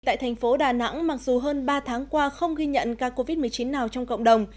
tại thành phố đà nẵng mặc dù hơn ba tháng qua không ghi nhận ca covid một mươi chín nào trong cộng đồng